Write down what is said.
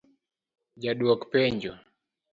Ja dwok penjo: